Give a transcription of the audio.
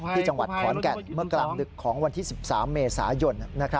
ที่จังหวัดขอนแก่นเมื่อกลางดึกของวันที่๑๓เมษายน